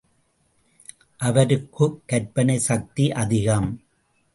அவருக்கு கற்பனைச் சக்தி அதிகம்!